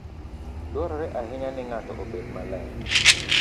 Dwarore ahinya ni ng'ato obed maler.